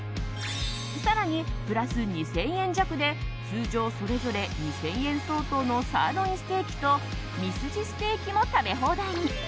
更に、プラス２０００円弱で通常それぞれ２０００円相当のサーロインステーキとみすじステーキも食べ放題に。